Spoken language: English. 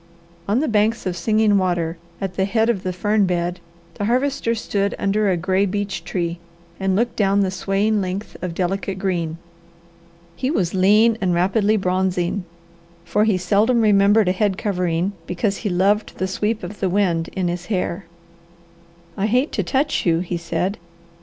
On the banks of Singing Water, at the head of the fern bed, the Harvester stood under a gray beech tree and looked down the swaying length of delicate green. He was lean and rapidly bronzing, for he seldom remembered a head covering because he loved the sweep of the wind in his hair. "I hate to touch you," he said.